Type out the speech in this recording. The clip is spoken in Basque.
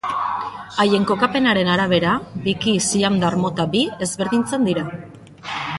Haien kokapenaren arabera biki siamdar mota bi ezberdintzen dira.